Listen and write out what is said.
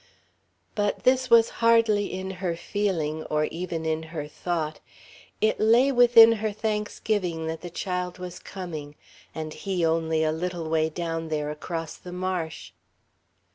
But this was hardly in her feeling, or even in her thought; it lay within her thanksgiving that the child was coming; and he only a little way down there across the marsh.